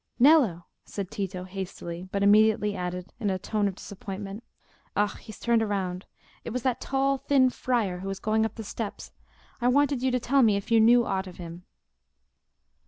"Nello!" said Tito, hastily, but immediately added, in a tone of disappointment, "Ah, he has turned round. It was that tall, thin friar who is going up the steps. I wanted you to tell me if you knew aught of him?"